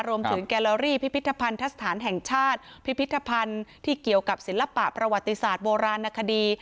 แกลลอรี่พิพิธภัณฑสถานแห่งชาติพิพิธภัณฑ์ที่เกี่ยวกับศิลปะประวัติศาสตร์โบราณนคดี